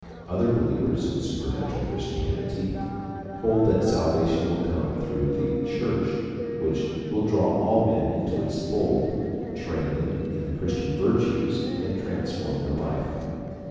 Other believers in supernatural Christianity hold that salvation will come through the Church, which will draw all men into its fold, train them in the Christian virtues, and transform their life.